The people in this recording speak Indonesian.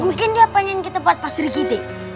mungkin dia pengen kita buat pasir ikiti